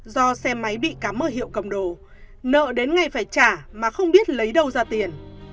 do xe máy bị cắm ở hiệu cầm đồ nợ đến ngay phải trả mà không biết lấy đâu ra tiền